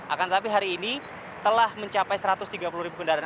akan tetapi hari ini telah mencapai satu ratus tiga puluh ribu kendaraan